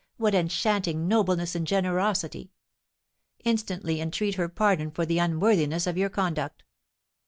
what enchanting nobleness and generosity! Instantly entreat her pardon for the unworthiness of your conduct.'